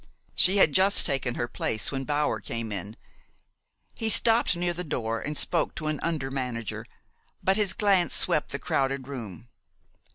She had just taken her place when Bower came in. He stopped near the door, and spoke to an under manager; but his glance swept the crowded room.